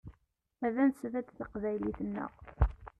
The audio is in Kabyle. Ad nesbedd taqbaylit-nneɣ.